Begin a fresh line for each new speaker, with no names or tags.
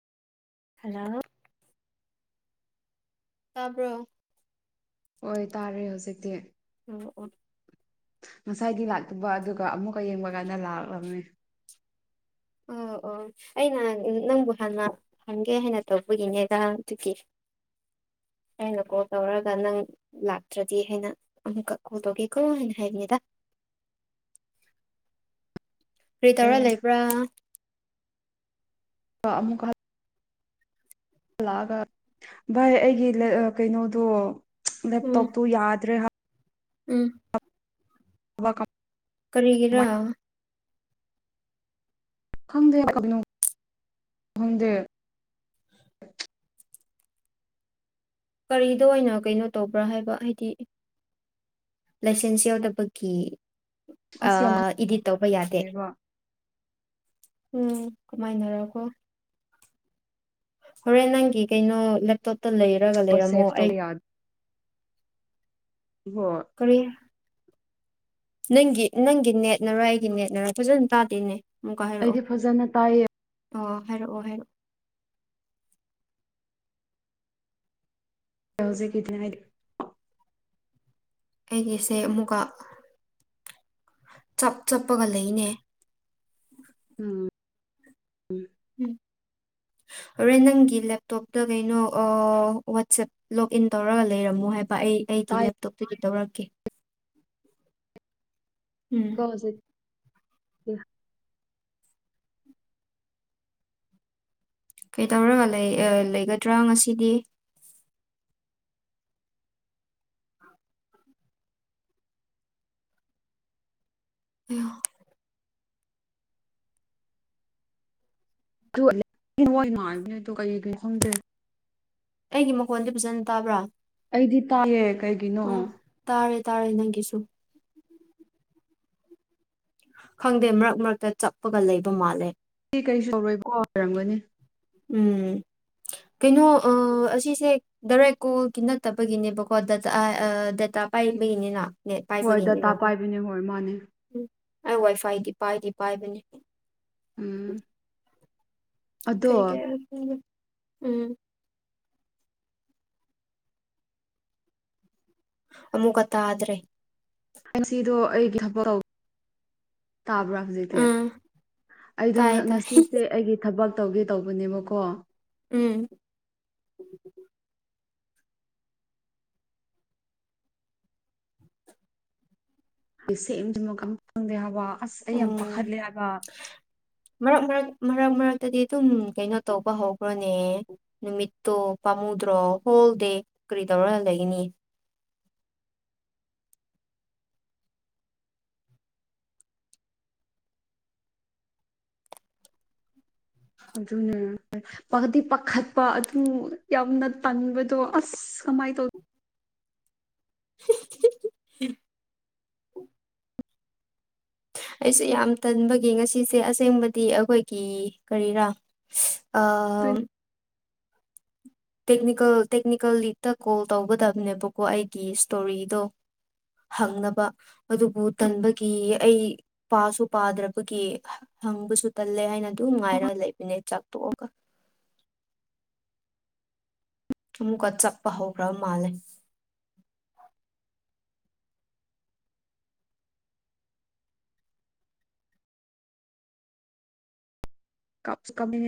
ꯍꯜꯂꯣꯑꯣ ꯇꯥꯕ꯭ꯔꯣ
ꯍꯣꯏ ꯇꯥꯔꯦ ꯍꯧꯖꯤꯛꯇꯤ
ꯎ ꯑꯣ
ꯉꯁꯥꯏꯗꯤ ꯂꯥꯛꯇꯕ ꯑꯗꯨꯒ ꯑꯃꯨꯛꯀ ꯌꯦꯡꯕ ꯀꯥꯟꯗ ꯂꯥꯛꯂꯝꯃꯦ
ꯑꯣ ꯑꯣ ꯑꯩꯅ ꯅꯪꯕꯨ ꯍꯥꯟꯅ ꯈꯪꯒꯦ ꯍꯥꯏꯅ ꯇꯧꯕꯒꯤꯅꯦꯗꯥ ꯑꯗꯨꯒꯤ ꯑꯩꯅ ꯀꯣꯜ ꯇꯧꯔꯒ ꯅꯪ ꯂꯥꯛꯇ꯭ꯔꯗꯤ ꯍꯥꯏꯅ ꯑꯃꯨꯛꯀ ꯀꯣꯜ ꯇꯧꯒꯦꯀꯣ ꯍꯥꯏꯅ ꯍꯥꯏꯔꯤꯅꯤꯗ ꯀꯔꯤ ꯇꯧꯔꯥ
ꯑꯦ
ꯂꯩꯕ꯭ꯔꯥ
ꯑꯥ ꯑꯃꯨꯛ ꯍꯠ ꯂꯥꯛꯑꯒ ꯚꯥꯏ ꯑꯩꯒꯤ ꯂꯥ ꯀꯩꯅꯣꯗꯣ ꯆꯥ ꯂꯦꯞꯇꯣꯞꯇꯣ ꯌꯥꯗ꯭ꯔꯦ ꯍꯥꯏ
ꯎꯪ
UNINTELLIGIBLE
ꯀꯔꯤꯒꯤꯔꯥ
ꯈꯪꯗꯦ ꯍꯪꯅꯧ ꯈꯪꯗꯦ
ꯀꯔꯤꯗ ꯑꯣꯏꯅ ꯀꯩꯅꯣ ꯇꯧꯕ꯭ꯔꯥ ꯍꯥꯏꯕ ꯍꯥꯏꯗꯤ ꯂꯥꯏꯁꯦꯟꯁ ꯌꯥꯎꯗꯕꯒꯤ
ꯑꯁ ꯌꯥꯝ
ꯑꯥ ꯏꯗꯤꯠ ꯇꯧꯕ ꯌꯥꯗꯦ
ꯐꯖꯩꯕ
ꯎꯪ ꯀꯃꯥꯏꯅꯔ ꯀꯣ ꯍꯣꯔꯦꯟ ꯅꯪꯒꯤ ꯀꯩꯅꯣ ꯂꯦꯞꯇꯣꯞꯇ ꯂꯩꯔꯒ ꯂꯩꯔꯝꯃꯣ ꯑꯩ
ꯍꯣꯏ
ꯀꯔꯤ ꯅꯪꯒꯤ ꯅꯪꯒꯤ ꯅꯦꯠꯅꯔ ꯑꯩꯒꯤ ꯅꯦꯠꯅꯔ ꯐꯖꯅ ꯇꯥꯗꯦꯅꯦ ꯑꯃꯨꯛꯀ ꯍꯥꯏꯔꯛꯑꯣ
ꯑꯩꯗꯤ ꯐꯖꯅ ꯇꯥꯏꯌꯦ
ꯑꯣ ꯍꯥꯏꯔꯛꯑꯣ ꯍꯥꯏꯔꯛꯑꯣ
ꯍꯧꯖꯤꯛꯀꯤꯅꯦ ꯍꯥꯏꯗꯤ
ꯑꯩꯒꯤꯁꯦ ꯑꯃꯨꯛꯀ ꯆꯞ ꯆꯞꯄꯒ ꯂꯩꯅꯦ
ꯑꯥꯎꯝ
ꯎꯝ ꯍꯣꯔꯦꯟ ꯅꯪꯒꯤ ꯂꯦꯞꯇꯣꯞꯇ ꯀꯩꯅꯣ ꯑꯣꯑꯥ ꯋꯥꯆꯦꯞ ꯂꯣꯛ ꯏꯟ ꯇꯧꯔꯒ ꯂꯩꯔꯝꯃꯣ ꯍꯥꯏꯕ ꯑꯩ ꯑꯩꯒꯤ
ꯇꯥꯏꯀꯣ
ꯂꯦꯞꯇꯣꯞꯇꯒꯤ ꯇꯧꯔꯛꯀꯦ ꯎꯪ
ꯇꯣꯛꯑꯖꯤ
ꯀꯩꯗꯧꯔꯒ ꯂꯩ ꯑꯥ ꯂꯩꯒꯗ꯭ꯔꯥ ꯉꯁꯤꯗꯤ ꯑꯌꯥ
ꯑꯗꯨ [unintelligible] ꯃꯣꯏ [unintelligible] ꯃꯥꯟꯕꯅꯦ ꯑꯗꯨ ꯀꯩꯒꯤ ꯈꯪꯗꯦ
ꯑꯩꯒꯤ ꯃꯈꯣꯟꯗꯤ ꯐꯖꯅ ꯇꯥꯕ꯭ꯔꯥ
ꯑꯩꯗꯤ ꯇꯥꯏꯌꯦ ꯀꯩꯒꯤꯅꯣ
ꯑꯣ ꯇꯥꯔꯦ ꯇꯥꯔꯦ ꯅꯪꯒꯤꯁꯨ ꯈꯪꯗꯦ ꯃꯔꯛ ꯃꯔꯛꯇ ꯆꯞꯄꯒ ꯂꯩꯕ ꯃꯥꯜꯂꯦ
ꯁꯤ [unintelligible] ꯀꯔꯤꯁꯨ [unintelligible] ꯇꯧꯔꯣꯏ ꯀꯣ ꯑꯣꯏꯔꯝꯒꯅꯤ
ꯎꯝ ꯀꯩꯅꯣ ꯑ ꯑꯁꯤꯁꯦ ꯗꯥꯔꯦꯛ ꯀꯣꯜꯒꯤ ꯅꯠꯇꯕꯒꯤꯅꯦꯕꯀꯣ ꯗꯇꯥ ꯑ ꯗꯇꯥ ꯄꯥꯏꯕꯒꯤꯅꯤꯅ ꯅꯦꯠ
ꯍꯣꯏ ꯗꯇꯥ
ꯄꯥꯏꯕꯒꯤꯅꯤꯅꯀꯣ
ꯄꯥꯏꯕꯅꯦ ꯍꯣꯏ ꯃꯥꯅꯦ
ꯎꯝ ꯑꯩ ꯋꯥꯏ ꯐꯥꯏꯗꯤ ꯄꯥꯏꯗꯤ ꯄꯥꯏꯕꯅꯦ
ꯎꯝ ꯑꯗꯣ ꯑꯩ
[unintelligible] ꯎꯝ ꯑꯃꯨꯛꯀ ꯇꯥꯗ꯭ꯔꯦ
ꯑꯦꯝꯁꯤꯗꯣ [unintelligible] ꯑꯩꯒꯤ ꯊꯕꯛ ꯇꯧ [unintelligible] ꯇꯥꯕ꯭ꯔꯥ ꯍꯧꯖꯤꯛꯇꯤ
ꯎꯝ
[unintelligible] ꯑꯩꯗꯣ
ꯇꯥꯏ
ꯉ
ꯇꯥꯏ
ꯉꯁꯤꯁꯦ ꯑꯩꯒꯤ ꯊꯕꯛ ꯇꯧꯒꯦ ꯇꯧꯕꯅꯦꯕꯀꯣ
ꯎꯝ
ꯀꯩ [unintelligible] ꯁꯦꯝꯗꯤꯅꯣ [unintelligible] ꯈꯪ ꯈꯪꯗꯦ ꯍꯥꯏꯕ ꯑ꯭ꯁ ꯑꯩ ꯌꯥꯝ
ꯎꯝ
ꯄꯥꯈꯠꯂꯦ ꯍꯥꯏꯕ
ꯃꯔꯛ ꯃꯔꯛ ꯃꯔꯛ ꯃꯔꯛꯇꯗꯤ ꯑꯗꯨꯝ ꯀꯩꯅꯣ ꯇꯧꯕ ꯍꯧꯕ꯭ꯔꯣꯅꯦ ꯅꯨꯃꯤꯠꯇꯣ ꯄꯥꯝꯃꯨꯗ꯭ꯔꯣ ꯍꯣꯜ ꯗꯦ ꯀ꯭ꯔꯤ ꯇꯧꯔꯒ ꯂꯩꯒꯅꯤ
ꯑꯗꯨꯅꯦ [unintelligible] ꯄꯥꯗꯤ ꯄꯥꯈꯠꯄ ꯑꯗꯨ ꯌꯥꯝꯅ ꯇꯟꯕꯗꯣ ꯑ꯭ꯁ ꯀꯃꯥꯏ ꯇꯧ
ꯍꯤꯍꯤ ꯍꯤ ꯑꯩꯁꯦ ꯌꯥꯝ ꯇꯟꯕꯒꯤ ꯉꯁꯤꯁꯦ ꯑꯁꯦꯡꯕꯗꯤ ꯑꯩꯈꯣꯏꯒꯤ ꯀꯔꯤꯔꯥ ꯁꯤꯁ ꯑꯝ ꯇꯦꯛꯅꯤꯀꯦꯜ ꯇꯦꯛꯅꯤꯀꯦꯜ ꯂꯤꯛꯇ ꯀꯣꯜ ꯇꯧꯒꯗꯕꯅꯦꯕꯀꯣ ꯑꯩꯒꯤ ꯁ꯭ꯇꯣꯔꯤꯗꯣ ꯍꯪꯅꯕ ꯑꯗꯨꯕꯨ ꯇꯟꯕꯒꯤ ꯑꯩ ꯄꯥꯁꯨ ꯄꯥꯗ꯭ꯔꯕꯒꯤ ꯍꯪꯕꯁꯨ ꯇꯜꯂꯦ ꯍꯥꯏꯅ ꯑꯗꯨꯝ ꯉꯥꯏꯔ ꯂꯩꯕꯅꯦ ꯆꯥꯛꯇꯣꯛꯑꯒ ꯑꯃꯨꯛꯀ ꯆꯠꯄ ꯍꯧꯈ꯭ꯔꯕ ꯃꯥꯜꯂꯦ
ꯀꯥꯞꯁꯨ [unintelligible] ꯀꯞꯅꯤꯡꯉꯦ